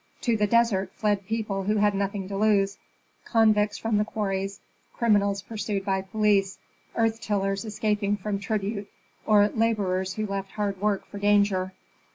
To the desert fled people who had nothing to lose, convicts from the quarries, criminals pursued by police, earth tillers escaping from tribute, or laborers who left hard work for danger.